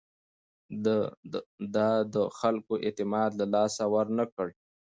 ده د خلکو اعتماد له لاسه ورنه کړ.